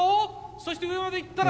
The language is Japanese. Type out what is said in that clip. そして上までいったら。